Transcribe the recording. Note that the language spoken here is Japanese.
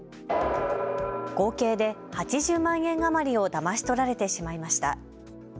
合計で８０万円余りをだまし取られてしまいました。